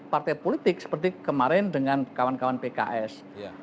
partai politik seperti kemarin dengan kawan kawan pks